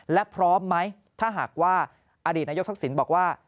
และพร้อมไหมถ้าหากว่าอดีตนายกทักษิณบอกว่า